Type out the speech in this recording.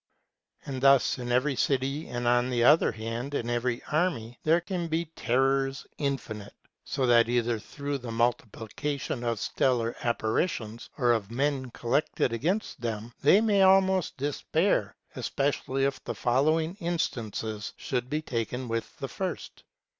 And thus in every city, and, on the other hand, in every army, there can be terrors infinite ; so that either through the multiplication of stellar apparitions, or of men collected against them, they may almost despair, especially if the following instance should be taken with the first.